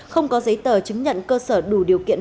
không có giấy tờ chứng nhận cơ sở đủ điều kiện